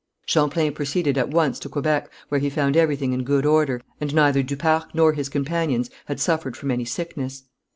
Champlain proceeded at once to Quebec, where he found everything in good order, and neither du Parc nor his companions had suffered from any sickness.